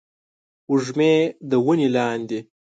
وږمې د ونې لاندې